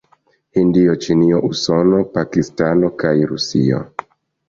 Hindio, Ĉinio, Usono, Pakistano kaj Rusio.